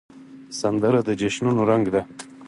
سندره د جشنونو رنګ ده